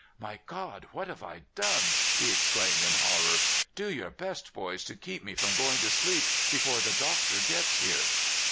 " My God ! What have I done? '' he exclaimed in horror. " Do your best, boys, to keep me from going to sleep before the doctor gets here."